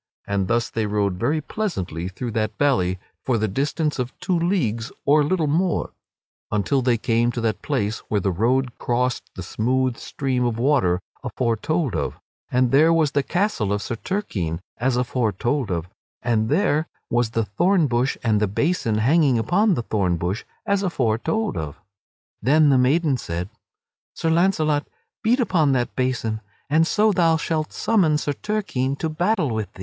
And thus they rode very pleasantly through that valley for the distance of two leagues or a little more, until they came to that place where the road crossed the smooth stream of water afore told of; and there was the castle of Sir Turquine as afore told of; and there was the thorn bush and the basin hanging upon the thorn bush as afore told of. Then the maiden said: "Sir Launcelot, beat upon that basin and so thou shalt summon Sir Turquine to battle with thee."